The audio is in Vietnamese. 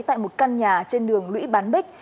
tại một căn nhà trên đường lũy bán bích